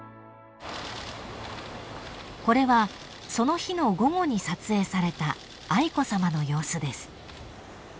［これはその日の午後に撮影された愛子さまの様子です］